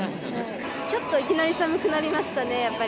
ちょっといきなり寒くなりましたね、やっぱり。